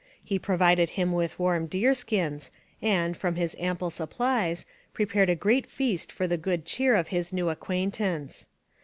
He provided him with warm deer skins and, from his ample supplies, prepared a great feast for the good cheer of his new acquaintance.